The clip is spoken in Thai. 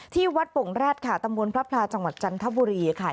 ที่วัดโป่งแร็ดค่ะตำบลพระพลาจังหวัดจันทบุรีค่ะ